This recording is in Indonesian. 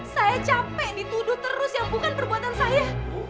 saya capek dituduh terus yang bukan perbuatan saya